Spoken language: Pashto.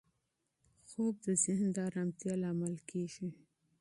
خوب د ذهن د ارامتیا لامل کېږي.